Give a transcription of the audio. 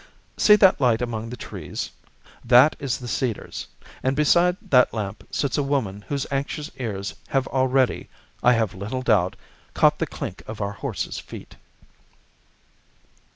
See that light among the trees? That is The Cedars, and beside that lamp sits a woman whose anxious ears have already, I have little doubt, caught the clink of our horse's feet."